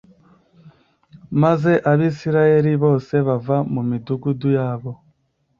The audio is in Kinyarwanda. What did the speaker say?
Maze abisirayeli bose bava mu midugudu yabo